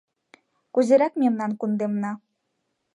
— Кузерак мемнан кундемна?